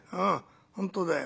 本当だよ。